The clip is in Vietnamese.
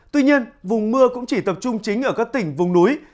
tuy nhiên vùng mưa cũng chỉ tập trung chính ở các tỉnh vùng núi